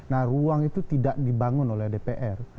nah ruang itu tidak dibangun oleh dpr